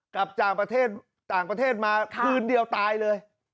กลับจากประเทศมาคืนเดียวตายเลย